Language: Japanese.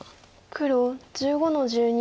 黒１５の十二。